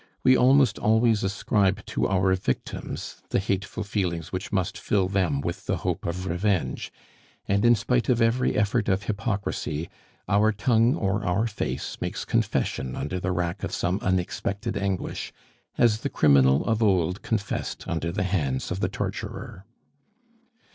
We almost always ascribe to our victims the hateful feelings which must fill them with the hope of revenge; and in spite of every effort of hypocrisy, our tongue or our face makes confession under the rack of some unexpected anguish, as the criminal of old confessed under the hands of the torturer.